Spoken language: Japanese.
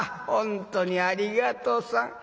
本当にありがとさん。